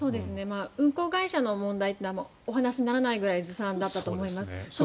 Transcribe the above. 運航会社の問題というのはお話にならないぐらいずさんだったと思います。